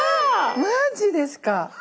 マジですか。